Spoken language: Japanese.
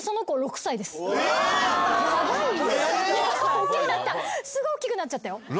おっきくなったすぐおっきくなっちゃったよ。